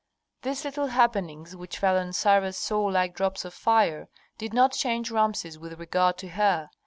These little happenings, which fell on Sarah's soul like drops of fire, did not change Rameses with regard to her.